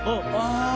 ああ！